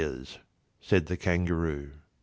said the Kangaroo. IV.